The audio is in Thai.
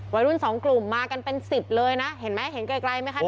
วัยรุ่นสองกลุ่มมากันเป็นสิบเลยนะเห็นไหมเห็นไกลไหมคะ